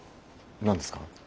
何ですか？